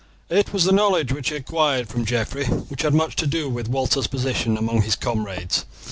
It was the knowledge which he acquired from Geoffrey which had much to do with Walter's position among his comrades.